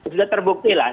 sudah terbukti lah